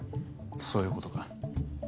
そういうことか。